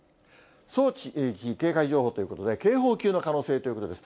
早期警戒情報ということで、警報級の可能性ということです。